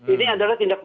ini adalah tindak